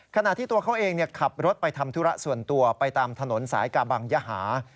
ขณะที่ตัวเขาเองขับรถไปทำธุระส่วนตัวไปตามถนนสายกาบังยหา